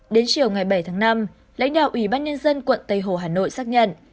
đến chiều ngày bảy tháng năm lãnh đạo ủy ban nhân dân quận tây hồ hà nội xác nhận